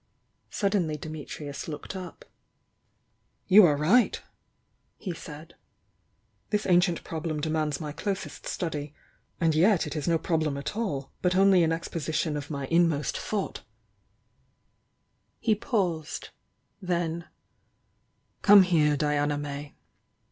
Suddenly Dimitrius looked up. "You are right!" he said. "This ancient problem demands my closest study. And yet it is no prob lem at all, but only an exposition of my inmost T^'^Ji 174 THE YOUNG DIANA ?^ I ! ii thought!" He paused, — then: "Come here, Diana May!"